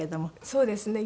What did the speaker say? そうですね。